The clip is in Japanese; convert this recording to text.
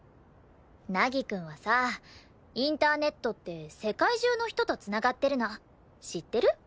凪くんはさインターネットって世界中の人と繋がってるの知ってる？